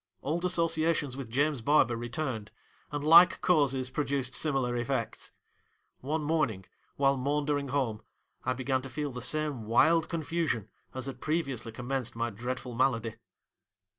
Old associations with James Barber returned, and like causes produced similar effects. One morning while maundering home, I began to feel the same wild confusion as had previously commenced my dreadful malady.'